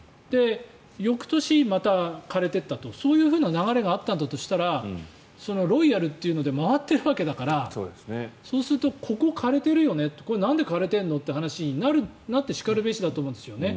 翌年、また枯れていったとそういう流れがあったんだとしたらロイヤルというので回っているわけだからそうするとここ、枯れているよねとこれなんで枯れてるのって話になってしかるべしだと思うんですよね。